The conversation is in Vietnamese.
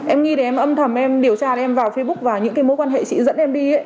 em nghĩ thì em âm thầm em điều tra em vào facebook và những cái mối quan hệ chị dẫn em đi